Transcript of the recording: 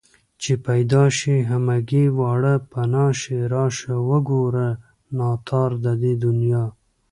چې پيدا شي همگي واړه پنا شي راشه وگوره ناتار د دې دنيا